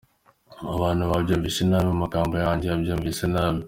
Abantu banyumvise nabi mu magambo yanjye, yabyumvise nabi.